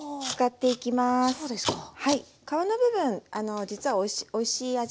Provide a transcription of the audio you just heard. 皮の部分実はおいしい味